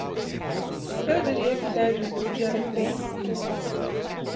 Eu diria que Dead Wood era três estrelas